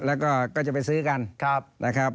แล้วก็ก็จะไปซื้อกันนะครับ